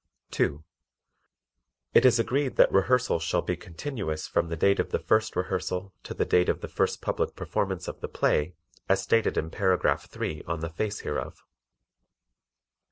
(2) It is agreed that rehearsals shall be continuous from the date of the first rehearsal to the date of the first public performance of the play, as stated in Paragraph three on the face hereof.